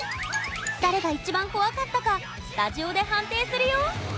誰が一番怖かったかスタジオで判定するよ